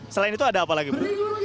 selain itu ada apa lagi bu